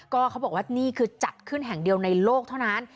ก็เขาบอกว่านี่คือจัดขึ้นแห่งเดียวในโลกเท่านั้น